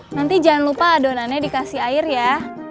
nanti jangan lupa adonannya dikasih air ya